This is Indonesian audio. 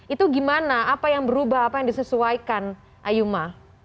itu gimana apa yang berubah apa yang disesuaikan ayuma